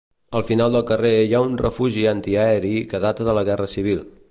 Al final del carrer hi ha un refugi antiaeri que data de la guerra civil.